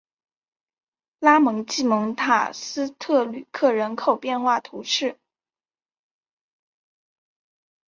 拉蒙济蒙塔斯特吕克人口变化图示